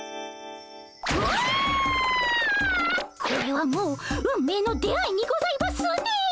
これはもう運命の出会いにございますね。